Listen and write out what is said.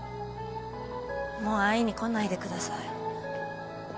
もう会いに来ないでください